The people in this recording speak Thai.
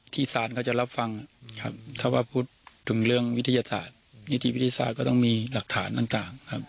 แต่ถ้าสรุปมาไปเหมือนนั้นเราก็ทำใจยากมาก